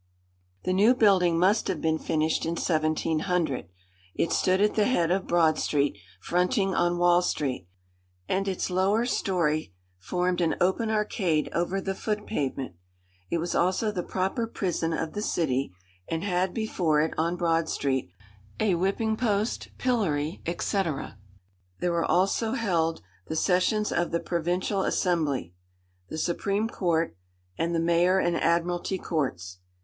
The new building must have been finished in 1700. It stood at the head of Broad Street, fronting on Wall Street; and its lower story formed an open arcade over the foot pavement. It was also the proper prison of the city, and had before it, on Broad Street, a whipping post, pillory, &c. There were also held the sessions of the Provincial Assembly, the Supreme Court, and the Mayor and Admiralty Courts.